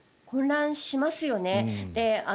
混乱しますよね。